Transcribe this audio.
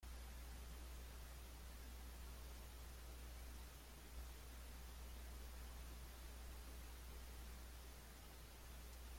La baja presión se organiza en los próximos días, produciendo varias ráfagas de convección.